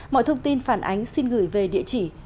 mọi thông tin phản ánh xin gửi về địa chỉ